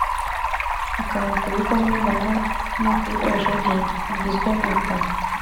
akabati abikamo imyenda hamwe n’ak’ibikoresho bye bigizwe n’ibitabo